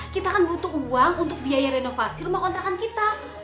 kita kan butuh uang untuk biaya renovasi rumah kontrakan kita